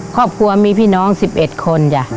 ครอบครัวมีพี่น้อง๑๑คนจ้ะ